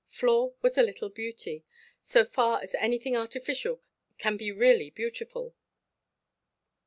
Flore was a little beauty; so far as anything artificial can be really beautiful.